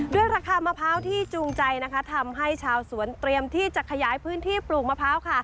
ราคามะพร้าวที่จูงใจนะคะทำให้ชาวสวนเตรียมที่จะขยายพื้นที่ปลูกมะพร้าวค่ะ